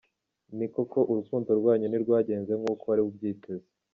Ni koko, urukundo rwanyu ntirwagenze nk’uko wari ubyiteze.